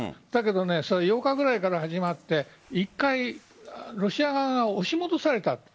だけど、８日ぐらいから始まって１回ロシア側が押し戻された。